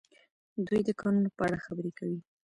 دوی د کانونو په اړه خبرې کوي.